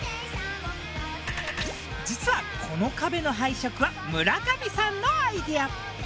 実はこの壁の配色は村上さんのアイデア。